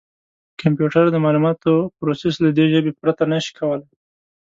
کمپیوټر د معلوماتو پروسس له دې ژبې پرته نه شي کولای.